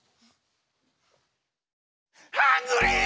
ハングリー！